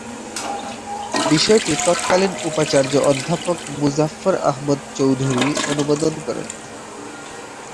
বিষয়টি তৎকালীন উপাচার্য অধ্যাপক মোজাফফর আহমদ চৌধুরী অনুমোদন করেন।